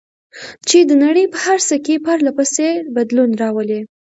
چې د نړۍ په هر څه کې پرله پسې بدلون راولي.